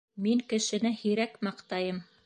Мин кешене һирәк маҡтайым.